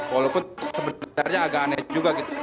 walaupun sebenarnya agak aneh juga gitu